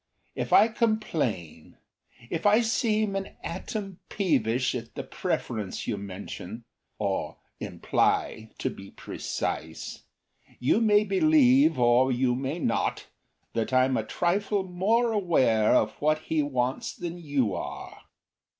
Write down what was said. If I complain, If I seem an atom peevish at the preference you mention Or imply, to be precise you may believe, or you may not, That I'm a trifle more aware of what he wants than you are.